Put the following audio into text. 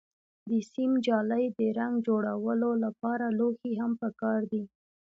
د سیم جالۍ، د رنګ جوړولو لپاره لوښي هم پکار دي.